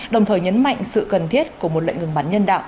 đồng thời nhấn mạnh sự cần thiết của một lệnh ngừng bắn nhân đạo